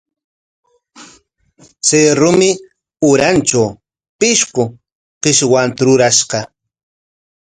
Chay rumi urantraw pishqu qishwanta rurashqa.